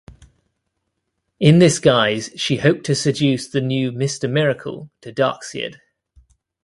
In this guise she hoped to seduce the new Mister Miracle to Darkseid.